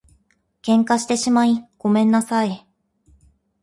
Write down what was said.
喧嘩してしまいごめんなさい